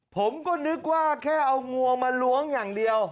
ผมก็นึกว่าแค่เอางวงมาล้วงอย่างเดียว